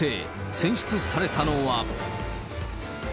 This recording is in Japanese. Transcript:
選出されたのは。